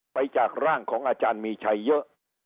จากร่างของอาจารย์มีชัยเยอะ